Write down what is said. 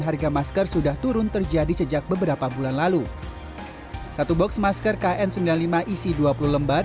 harga masker sudah turun terjadi sejak beberapa bulan lalu satu box masker kn sembilan puluh lima isi dua puluh lembar